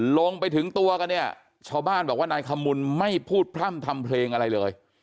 ลงไปถึงตัวกันเนี่ยชาวบ้านบอกว่านายขมุนไม่พูดพร่ำทำเพลงอะไรเลย